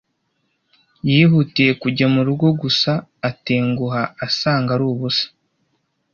Yihutiye kujya mu rugo gusa atenguha asanga ari ubusa.